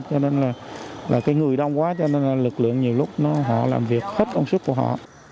cho nên là cái người đông quá cho nên lực lượng nhiều lúc họ làm việc hết công sức của họ